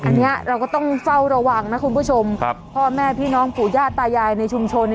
อันนี้เราก็ต้องเฝ้าระวังนะคุณผู้ชมพ่อแม่พี่น้องปู่ย่าตายายในชุมชน